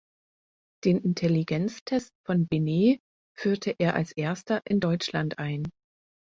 Den Intelligenztest von Binet führte er als erster in Deutschland ein.